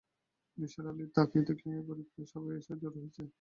নিসার আলি তাকিয়ে দেখলেন, এ-বাড়ির প্রায় সবাই এসে জড়ো হয়েছে।